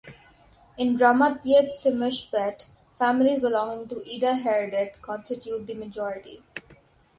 In "Ramat Beit Shemesh Bet", families belonging to Eda Haredit constitute the majority.